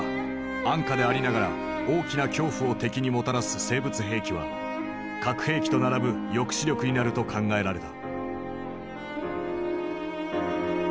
安価でありながら大きな恐怖を敵にもたらす生物兵器は核兵器と並ぶ抑止力になると考えられた。